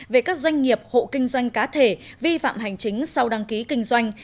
về các doanh nghiệp hộ kinh doanh cá thể vi phạm hành chính sau đăng ký kinh doanh